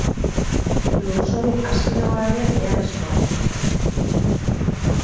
Lurzoru azidoa ere beharrezkoa da.